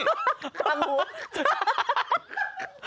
ตั้งหู